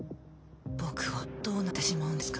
僕はどうなってしまうんですか？